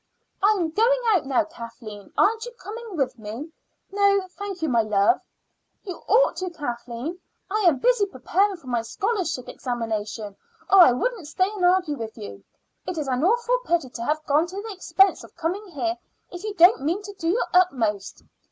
"I am going out now, Kathleen; aren't you coming with me?" "No, thank you, my love." "You ought to, Kathleen. I am busy preparing for my scholarship examination or I would stay and argue with you. It is an awful pity to have gone to the expense of coming here if you don't mean to do your utmost."